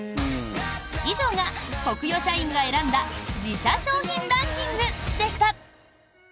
以上が、コクヨ社員が選んだ自社商品ランキングでした。